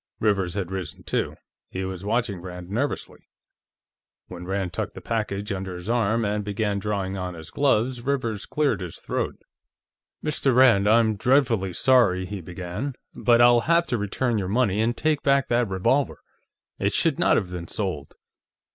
Rivers had risen, too; he was watching Rand nervously. When Rand tucked the package under his arm and began drawing on his gloves, Rivers cleared his throat. "Mr. Rand, I'm dreadfully sorry," he began, "but I'll have to return your money and take back that revolver. It should not have been sold."